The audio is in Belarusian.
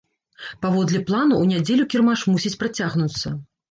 Паводле плану, у нядзелю кірмаш мусіць працягнуцца.